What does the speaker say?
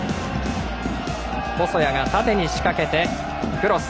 細谷が縦に仕掛けてクロス。